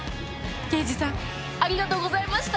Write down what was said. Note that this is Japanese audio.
刑事さんありがとうございました。